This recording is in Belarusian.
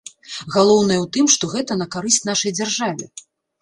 Галоўнае ў тым, што гэта на карысць нашай дзяржаве.